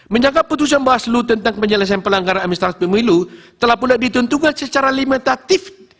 menyakap putusan bawaslu tentang penyelesaian pelanggaran administratif pemilu telahpun ditentukan secara limitatif